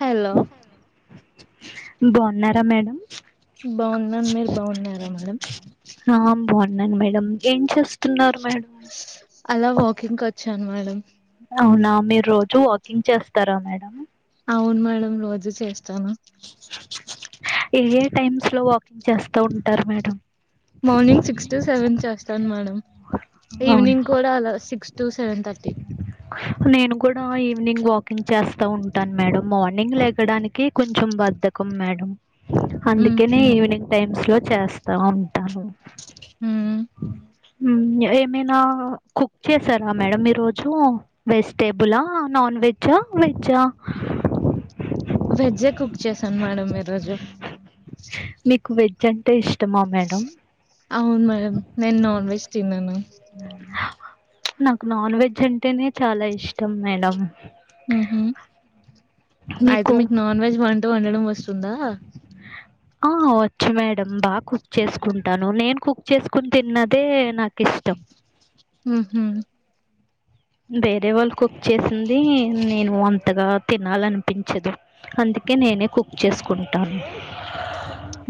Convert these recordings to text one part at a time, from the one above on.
Hello బాగున్నారా madam బాగున్నాను మీరు బాగున్నారా మేడం ఆ బాగున్నాను మే డం ఏం చేస్తున్నారు మేడం అలా వాకింగ్ వచ్చాను మేడం అవునా మీరు రోజు వాకింగ్ చేస్తారా మేడం అవును మే మేడం రోజు చేస్తాను ఏ ఏ టైమ్స్ లో వాకింగ్ చేస్తా ఉంటారు మేడం స్తాను మేడం అవును ఈవినింగ్ కూడా అలా సిక్స్ టు సెవెన్ థర్టీ నేను కూడా ఈవినింగ్ వాకింగ్ చేస్తా ఉంటాను మేడం మార్నింగ్ లేకడానికి కొంచెం బద్ధకం మేడం అందుకేనే ఈవినింగ్ టైమ్స్ లో చేస్తా ఉంటాను ఉమ్ ఏమైనా కుక్ చేసారా మేడం ఈరోజు వెజిటేబులా నాన్ వెజ్జా వెజ్జా వెజ్జే కుక్ చేసాను మేడం మీ రోజు మీకు వెజ్ అంటే ఇష్టమా మేడం అవును మేడం నేను నాన్ వెజ్ తిన్నాను నాకు నాన్ వెజ్ అంటేనే చాలా ఇష్టం మేడం ఉహు అయితే మీకు నాన్ వెజ్ వంట వండడం వస్తుందా ఆ వచ్చు మేడం బాగా కుక్ చేసుకుంటాను నేను కుక్ చేసుకుని తిన్నదే నాకు ఇష్టం ఉహూ వేరే వాళ్ళ కుక్ చేసింది నేను అంతగా తినాలనిపించదు అందుకే అందుకే నేనే కుక్ చేసుకుంటాను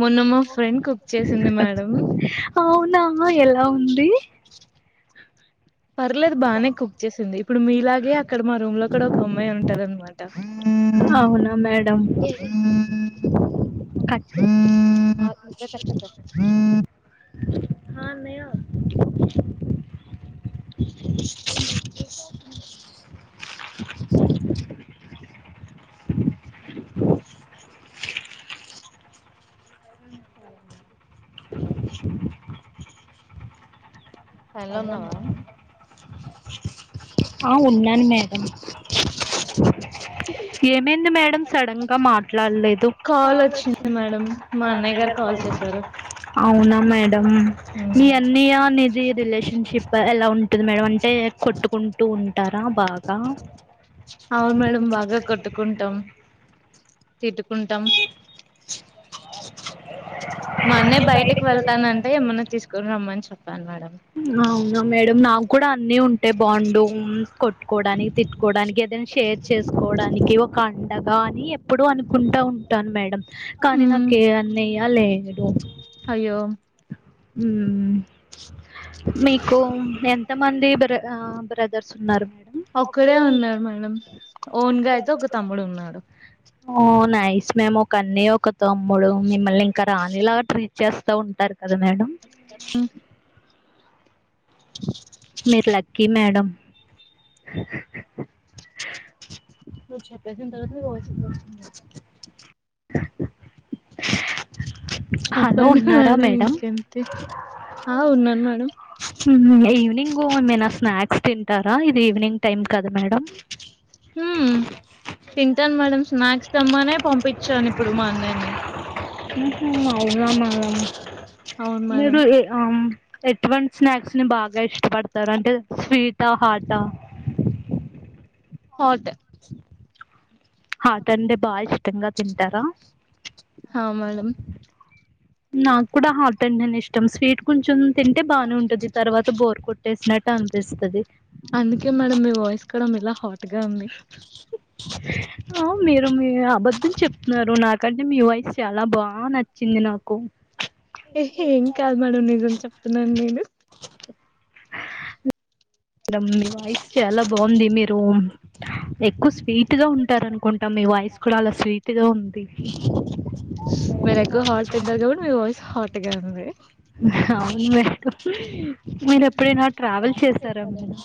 మొన్న మా ఫ్రెండ్ కుక్ చేసింది మేడం అవునా ఎలా ఉంది పర్లేదు బాగానే కుక్ చేసింది ఇప్పుడు మీలాగే అక్కడ మా రూమ్ లో కూడా ఒక అమ్మాయి ఉంటాది అనమాట అవునా మేడం కట్ చేస య చ్చి స ఆ అన్నయ్య హల్లు ఉన్నావా ఆ ఉన్నాను మేడం ఏమైంది మేడం సడన్ గా మాట్లాడలేదు కాల్ చేసారా అవునా మేడం మీ అన్నయ రిలేషన్షిప్ ఎలా ఉంటుంది మేడం అంటే కొట్టుకుంటూ ఉంటారా బాగా అవును మేడమ్ బాగా కొట్కుంటం తిట్కు మా అన్నయ్య బయటకి వెళ్తానంటే ఏమన్నా తీసుకుని రమ్మని చెప్ప అవునా మేడం నాకు కూడా అన్నయ్య ఉంటే బాగుండు కొట్టుకోవడానికి తిట్టుకోవడానికి ఏదైనా షేర్ చేసుకోవడానికి ఒక అండగా అని ఎప్పుడు అనుకుంటా ఉంటాను మేడం కానీ మ్మ్ నాకు ఏ అన్నయ లేడు. అయ్యో ఉమ్ మీకు ఏ ఎంతమంది బ్ర బ్రదర్స్ ఉన్నారు ఒక్కడే ఉన్నాడు మేడం ఓన్గా అయితే ఒక తమ్ముడు ఉన్నాడు ఓ నైస్ మేమ్ ఒక అన్నయ ఒక తమ్ముడు మిమ్మల్ని ఇంకా రాణి లాగా ట్రీట్ చేస్తా ఉంటారు కదా మేడం మీరు లక్కీ మేడమ్ వ నువ్వు చెంట చెప్పేసిన తర్వాత నువ్వు [unintelligible] హలో చెప్పండి ఉన్నారా మేడం ఇంకెంటి ఆ ఉన్నాను మేడం ఈవినింగ్ ఏమైనా స్నాక్స్ తింటారా ఇది ఈవినింగ్ టైమ్ కదా మేడం ఉమ్ తింటాను మేడమ్ స్నాక్స్ తెమ్మనే పంపించాను ఇప్పుడు మా అన్నయని ఉంహు అవునా మేడం అవును మేడం మీరు ఎటువంటి స్నాక్స్ ని బాగా ఇష్టపడతార అంటే స్వీటా హాటా హాట్ ఆ హాట్ బాగా ఇష్టంగా తింటారా హా మేడమ్ నాకు కూడా హార్ట్ అంటేనే ఇష్టం, స్వీట్ కొంచెం తింటే బానే ఉంటది. తర్వాత బోర్ కొట్టేసినట్ట అందుకే మేడం మీ వాయిస్ కూడా మీలా హర్ట్ గా ఉంది. ఆ మీరు మీ అబద్ధం చెప్తున్నారు. నాకంటే మీ వాయిస్ చాలా బా నచ్చింది. నాక్ ఏహే ఏం కాదు మేడం నిజం చెప్తున్నాను. నేను మేడం మీ వైస్ చాలా బావుంది. మీరు ఎక్కువ స్వీట్ టుదా ఉంటారు అనుకుంటా మీ వాయిస్ కూడా అలా స్వీట్గా ఉంది. వాడు తింటారు, కాబట్ మీ వాయిస్ హాట్ గా ఉంది. అవును మేడం మీరు ఎప్పుడైనా ట్రావెల్ చేసారా మేడం.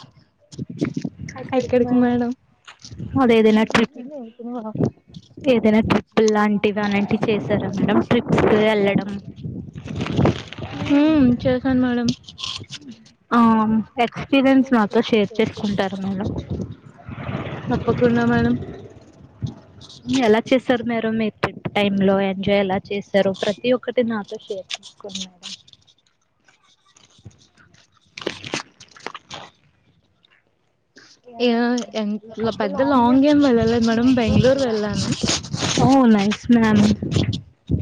అక్కడికి ఎక్కడికి మేడం. [unintelligible] ఏదైనా ట్రిప్పు లాంటివి, అలాంటివి చేసారా మేడం ట్రిప్స్కి వెళ్ళడం. ఉహ్ చేసాను మేడం ఆ ఎక్స్పీరియన్స్ నాతో షేర్ చేసుకుంటారు మేడం తప్పకుండా మేడం ఎలా చేసారు మీరూ మీర్ ట్రిప్ టైమ్ లో ఎంజాయ్ ఎలా చేసారు. ప్రతి ఒక్కటి నాతో షేర్ చేసుకోండి మేడం. యా ఇగ ఎన్ ఎంత పెద్ద లాంగ్ జాంప్ ఏం ఉండే వెళ్ళలేదు మనం మేడం బేగళూర్ బెంగళూరు వెళ్ళాను ఏళ్ళాము. ఓ నైస్ మ్యామ్ హుహ్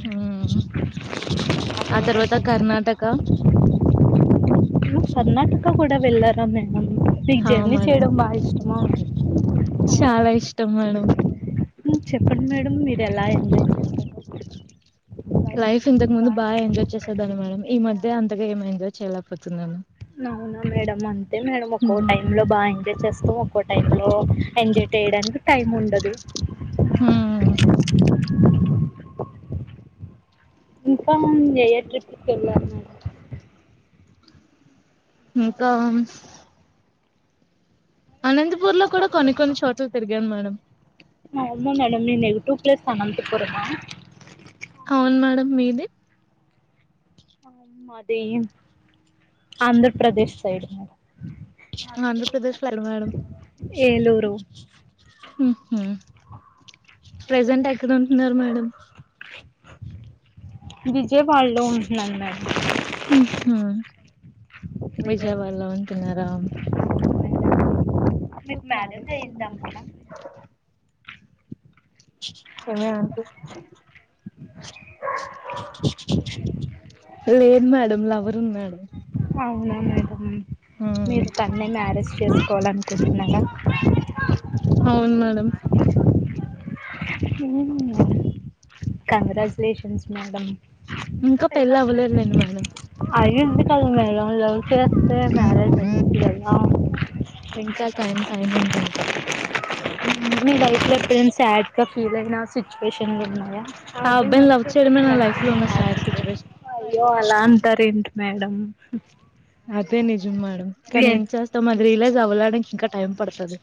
హ్మ్ ఆ తర్వాత కర్ణాటక నువ్ సర్ణటక కూడా వెళ్ళారా మ్య హా మేడం, చాలా ఇష్టం మేడం. హు చెప్పండి మేడం, మీరు ఎలా ఎంజాయ్ చేసారో లైఫ్ ఇంతకు ముందు బా ఎంజాయ్ చేసేదాన్ని మేడం. ఈ మధ్య అంతగా ఏం ఎంజాయ్ చేయలేకపోతున్నాను. అవునా మేడం, అంతే మేడం ఒకొక్క హ్మ్ టైమ్ లో బాగా ఎంజాయ్ చేస్తవ్ ఓ టైంలో ఎంజాయ్ చేయడానికి టైం ఉండదు. ఉహూహ్ ఇంకా ఏయా ట్రిప్ కెళ్ళారు మేడం. ఇంకామ్స్ అనంతపూర్ లో కూడా కొన్ని కొన్ని చోట్లు తిరిగాను మేడం. మా ఉమ్ మేడం నీ నెగిటివ్ ప్లేస్ అంతఃపురమా. అవును మేడం మీది ఆ మాది ఆంధ్రప్రదేశ్ సైడ్ మేడం. ఆంధ్రప్రదేశ్ లో ఎక్కడ మేడం ఏలూరు ఉహు ప్రెజెంట్ ఎక్కడ్ ఉంటున్నారు మీరు ఉంటున్నాను మేడం హుహ్ విజయవాడలో ఉంటున్నారా. మీకు మ్యారేజ్ అయిందా. యేమి అంటే లేదు మేడం, లవరునాడు. అవునా మేడం. ఉమ్ మీరు కనే మ్యారేజ్ చేసుకోవాల్ అనుకుంటున్నారా. తప్పా కాంగ్రాట్యులేషన్స్ మేడం. ఇంకా పెళ్లి అవ్వలేదులేండి మేడం అయింది కానీ మేలావ్ లేవ్ తెస్తే మ్యారేజ్ అయింది కదా ఇంకా టైం టైం ఉంది ఇంకా మీ లైఫ్లో ఎప్పుడైనా శాడ్గా ఫీల్ అయిన సిచ్యువేషన్లు ఉన్నాయా. ఆ అబ్బాయిని లవ్ చేయడమే నా లైఫ్ లో ఉన్న సాడ్ సిచ్యువేషన్ అయ్యో అలా అంటారు. ఏంటి మేడం నాద్ మేడం కానీ ఏం ఎన్ చేస్తాం అది రిలైజ్ అవ్వడానికి ఇంకా టైం పడతది.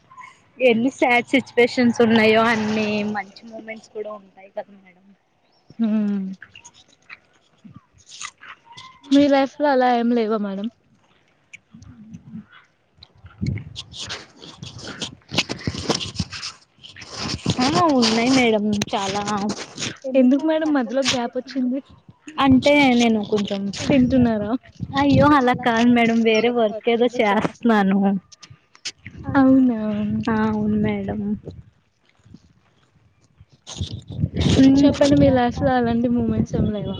ఎన్ని సాడ్ సిచ్యువేషన్స్ ఉన్నాయో, అన్ని మంచి మూమెంట్స్. కూడా ఉంటాయి కదా మేడం. హ్మ్మ్ మీ లైఫ్ లో అలా ఏం లేవా మేడం? ఉ అహా ఉన్నాయి మేడం చాలా. ఎందుకు మేడం మధ్యలో గ్యాప్ వచ్చింది అంటే నేను కొంచెం తింటున్నారా అయ్యో అలా కాదు మేడం వేరే వర్క్ ఏదో చేస్తన్నాను. అవునా ఆ అవును మేడం. చెప్పండి మీ లైఫ్ లో ఎలాంటి మూమెంట్స్. ఏం లేవా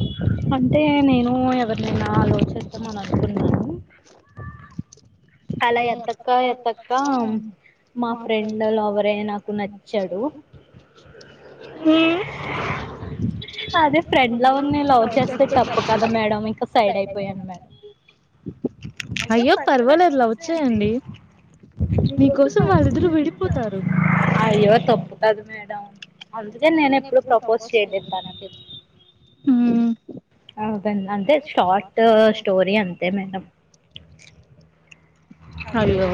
అంటే నేనూ ఎవరినైనా లవ్ చేద్దామనుకున్నాను. అలా ఎతక్క ఎతక్కా మా ఫ్రెండ్ లవరే నాకు నచ్చాడు. హ అదే ఫ్రెండ్ లవర్ నే లవ్ చేస్తే తప్పు కదా మేడం ఇంక సైడ్ అయిపోయాను మేడం. అయ్యో పర్వాలేదు లవ్ వచ్చాయండి నీకోసం వాళ్ళిద్దరుూ విడిపోతారు కదా మేడం అందుకే నేనెప్పుడు ప్రపోజ్ చేయలే తనకి. హ్మ్, అంతేనండి అంటే షార్ట్ స్టోరీ అంతే మేడం. అయ్యో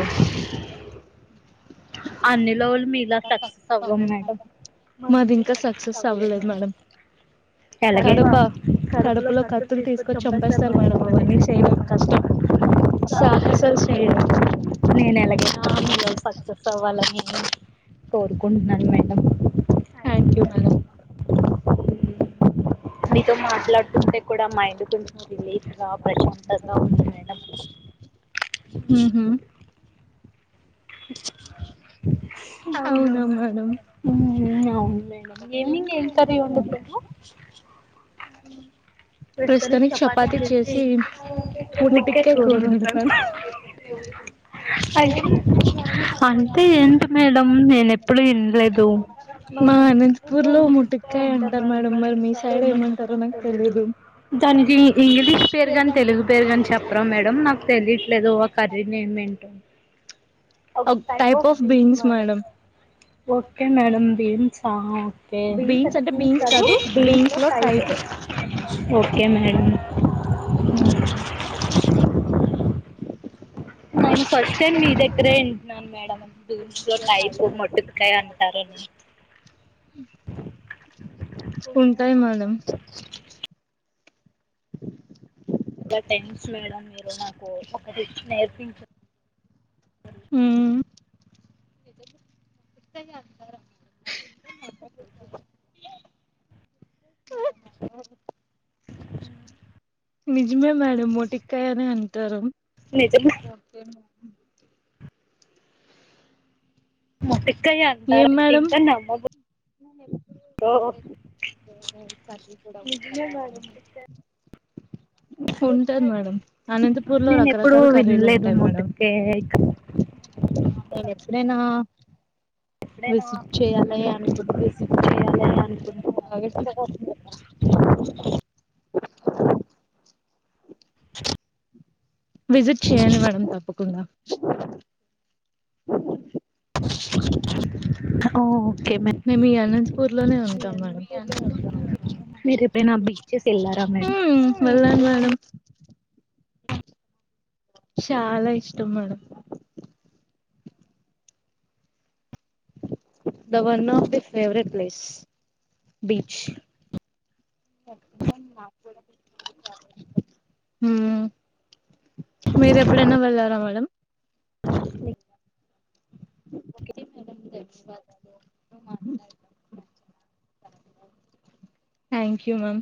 అన్ని లవ్లో మీలా సక్సెస్ అవ్వం మేడం, మాది ఇంకా సక్సెస్ అవ్వలేదు మేడం. ఎలాగైనా కడప కడపలో కత్తులు తీసుకొచ్చి చంపేస్తారు మేడం అవన్నీ చేయడం కష్టం సాహసాలు చే నేను ఎలకీళా [inaudible] సక్సెస్ అవ్వాలని కోరుకుంటున్నాను మేడం. Thank you madam. మీతో మాట్లాడుతుంటే కూడా మైండ్ కొంచెం రిలీఫ్ గా ప్రశాంతంగా ఉంది మే అ హ హ అవునా అవునులే మేడం మేడమ్. ఈవెనింగ్ ఏం కర్రీ వండుతారు? అ రెస్నికి చపాతి చేసి ఊటక్క ముటిక్కాయ కరు కూర ఉతాను వండుతాను అంటే ఏంటి మేడం నేనెప్పుడు వినలేదు. మా అనంతపూర్ లో ముటిక్కాయంటారు మేడం, మరి మీ సైడ్ ఏమంటారో నాకు తెలిదు? దానిదీ ఇంగ్లీష్ పేరు గాని తెలుగు పేరు గాని చెప్పరా మేడం? నాకు తెలియట్లేదు. దోవ కర్రీ నేమెంటో! ఒక type of beans madam okay madam బీన్సా? బీన్స్ అంటే పీన్స్ బీన్స్ కా కాదు బీన్స్ లో బీన్స్ై టైప్ ఓకే మేడమ్ నే ఫస్ట్ టైమ్ మీ దెగ్గరే ఇంటన్నను మేడమ్, బీన్స్ లో టైప్ మొటిక్కాయంటరు. అ కొంంతాయి మడంం చాలా థ్యాంక్స్ మేడం మీరు నాకు ఒక డిష్ నేర్పించ ఉమ్ ట్ట అంటార నిజమే మేడం మొట్టికాయ అనే అంటారు నిజంగా మొట్టికాయ అంటారు ఏం అ మేడం ఇంకా నమ్మబుద్ది ఓ [unintelligible] కర్రీ కి కూడా ఓల్చుతారా అని ఉంటాది మేడం అనంతపూర్ లో నేను ఎప్పుడూ రకరకాల కర్రీలు వినలేదు ఉంటాయి మేడం మొట్టుకాయ ఆంధ్రా లో ఎప్పుడైనా విసిట్ చేయాలే అనుకుంటున్న [unintelligible] విజిట్ చేయండి మేడం తప్పకుండా ఓ మేము ఈ అనంతపూర్ లోనే ఉంటాం మేడమ్ మీరు ఎప్పుడైనా బీచెస్ వెళ్ళారా మేడం ఉమ్ వెళ్ళాను మేడం చాలా ఇష్టం madam the one of the favourite place beach ఉమ్ మీరు ఎప్పుడైనా వెళ్ళారా మేడం ఓకే మేడమ్ ధన్యవాదాలు [unintelligible] థ్యాంక్ యు మామ్